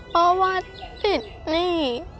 เพราะว่าสิทธิ์นี่